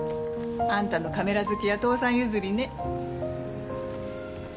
あんたのカメラ好きは父さん譲りね。